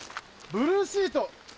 ブルーシート